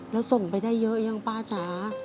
แล้วส่งไปได้เยอะยังป้าจ๋า